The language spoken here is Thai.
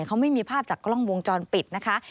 เขาไม่มีภาพจากกล้องวงจรปิดนะคะ